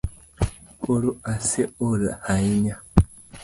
Koro ase ol hahinya .